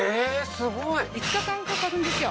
すごい５日間かかるんですよ